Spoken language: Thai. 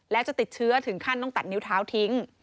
แล้วจะติดเชื้อถึงขั้นต้องตัดนิ้วเท้าทิ้ง